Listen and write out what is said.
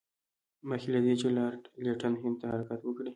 مخکې له دې چې لارډ لیټن هند ته حرکت وکړي.